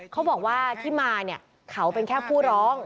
เขาบอกว่าที่มาเนี่ยเขาเป็นแค่ผู้ร้อง